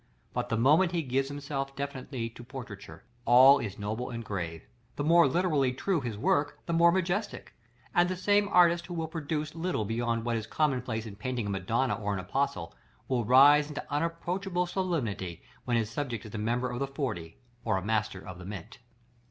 But the moment he gives himself definitely to portraiture, all is noble and grave; the more literally true his work, the more majestic; and the same artist who will produce little beyond what is commonplace in painting a Madonna or an apostle, will rise into unapproachable sublimity when his subject is a member of the Forty, or a Master of the Mint.